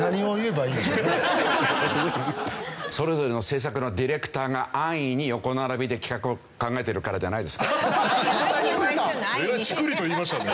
それぞれの制作のディレクターが安易に横並びで企画を考えてるからではないですか？